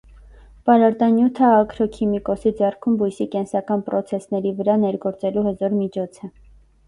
Պարարտանյութը ագրոքիմիկոսի ձեռքում բույսի կենսական պրոցեսների վրա ներգործելու հզոր միջոց է։